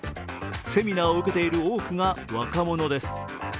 セミナーを受けている多くが若者です。